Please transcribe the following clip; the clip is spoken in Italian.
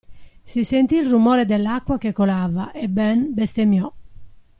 Si sentì il rumore dell'acqua che colava e Ben bestemmiò.